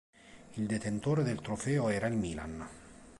Il detentore del trofeo era il Milan.